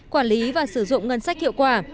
quản lý và sử dụng ngân sách hiệu quả